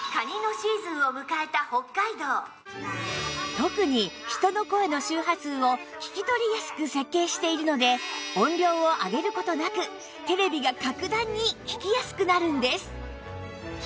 特に人の声の周波数を聞き取りやすく設計しているので音量を上げる事なくテレビが格段に聞きやすくなるんです